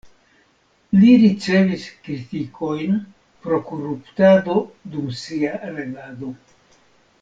Li ricevis kritikojn pro koruptado dum sia regado.